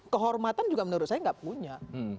kehormatan juga menurut saya nggak punya